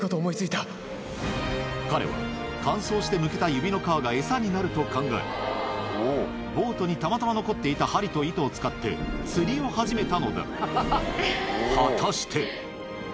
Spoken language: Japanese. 彼は乾燥して剥けた指の皮が餌になると考えボートにたまたま残っていた針と糸を使って釣りを始めたのだ果たして？